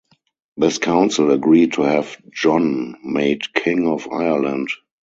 This council agreed to have John made King of Ireland.